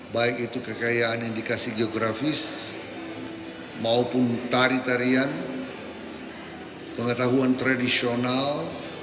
baik itu kekayaan indikasi geografis maupun tari tarian pengetahuan tradisional